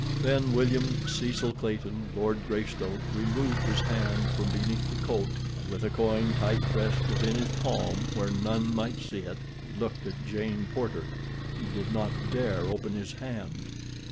Then William Cecil Clayton, Lord Greystoke, removed his hand from beneath the coat, and with a coin tight pressed within his palm where none might see it, he looked at Jane Porter. He did not dare open his hand.